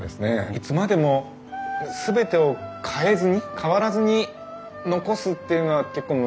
いつまでも全てを変えずに変わらずに残すっていうのは結構難しいと思うんですよね。